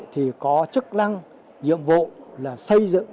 thì có chức năng nhiệm vụ là xây dựng